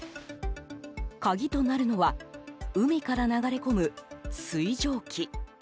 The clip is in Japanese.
鍵となるのは海から流れ込む水蒸気。